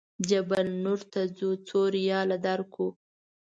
جبل نور ته ځو څو ریاله درکړو.